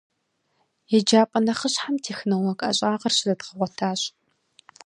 Еджапӏэ нэхъыщхьэм «технолог» ӏэщӏагъэр щызэдгъэгъуэтащ.